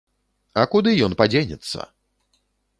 А куды ён падзенецца!